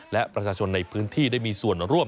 และประชาชนในพื้นที่ได้มีส่วนร่วม